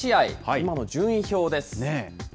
今の順位表です。